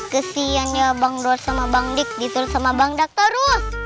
kesian ya bang dor sama bang dik diturut sama bang dak terus